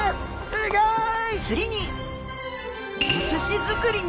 すギョい！